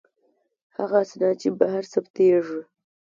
هغه اسناد چې بهر ثبتیږي.